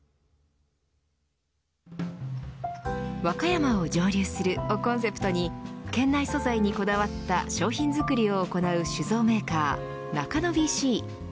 和歌山を蒸留するをコンセプトに県内素材にこだわった商品作りを行う酒造メーカー、中野ＢＣ。